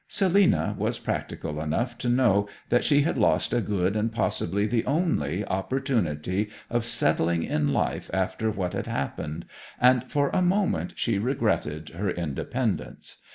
Selina was practical enough to know that she had lost a good and possibly the only opportunity of settling in life after what had happened, and for a moment she regretted her independence.